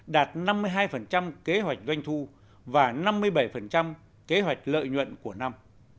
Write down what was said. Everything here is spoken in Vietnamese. đạt năm mươi hai kế hoạch doanh thu và năm mươi bảy kế hoạch lợi nhuận của năm